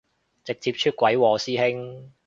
直接出櫃喎師兄